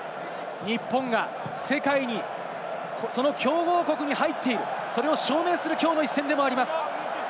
日本が世界に、その強豪国に入っている、それを証明する、きょうの一戦でもあります。